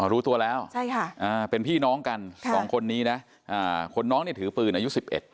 รู้ตัวแล้วเป็นพี่น้องกันสองคนนี้นะคนน้องเนี่ยถือปืนอายุ๑๑